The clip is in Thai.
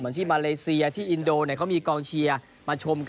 ที่มาเลเซียที่อินโดเนี่ยเขามีกองเชียร์มาชมกัน